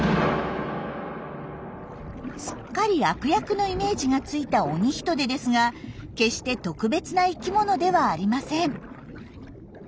すっかり悪役のイメージがついたオニヒトデですが決して特別な生きものではありません。